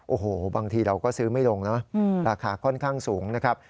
โอ้โหบางทีเราก็ซื้อไม่ลงเนอะราคาค่อนข้างสูงนะครับ